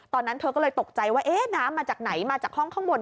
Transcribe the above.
ตอนนั้นเธอก็เลยตกใจว่าเอ๊ะน้ำมาจากไหนมาจากห้องข้างบน